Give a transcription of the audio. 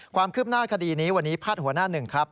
ความคืบหน้าคดีนี้วันนี้พาดหัวหน้าหนึ่งครับ